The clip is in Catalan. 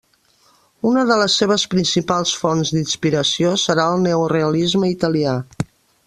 Una de les seves principals fonts d'inspiració serà el neorealisme italià.